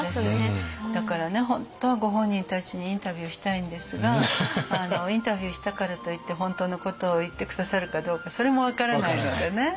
だからね本当はご本人たちにインタビューしたいんですがインタビューしたからといって本当のことを言って下さるかどうかそれも分からないのでね。